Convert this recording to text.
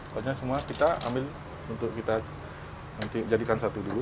pokoknya semua kita ambil untuk kita nanti jadikan satu dulu